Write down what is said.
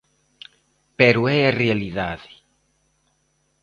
Pero é a realidade.